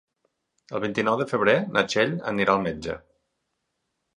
El vint-i-nou de febrer na Txell anirà al metge.